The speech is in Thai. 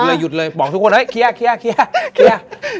หยุดเลยหยุดเลยบอกทุกคนเฮ้ยเครียร์เครียร์เครียร์เครียร์